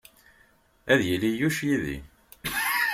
Ad yili Yuc yid-i.